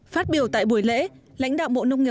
phát biểu tại buổi lễ